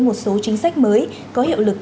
một số chính sách mới có hiệu lực